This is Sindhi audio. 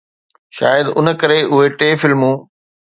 شايد ان ڪري اهي ٽي فلمون